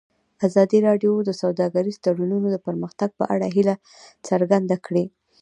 ازادي راډیو د سوداګریز تړونونه د پرمختګ په اړه هیله څرګنده کړې.